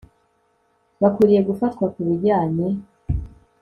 bakwiriye gufatwa ku bijyanye